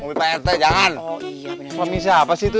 mobil prt jangan oh iya bener bener apa sih itu